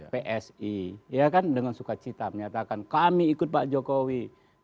psi ya kan dengan sukacita menyatakan kami ikut pak jokowi